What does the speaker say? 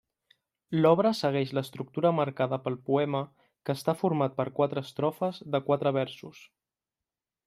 L'obra segueix l'estructura marcada pel poema que està format per quatre estrofes de quatre versos.